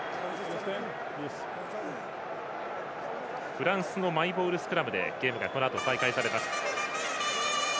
フランスのマイボールスクラムでゲームがこのあと再開されます。